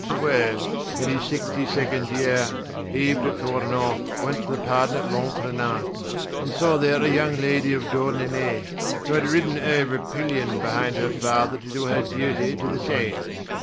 Well, in his sixty second year, Yves de Cornault went to the pardon at Locronan, and saw there a young lady of Douarnenez, who had ridden over pillion behind her father to do her duty to the saint.